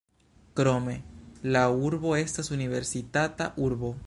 Krome la urbo estas universitata urbo.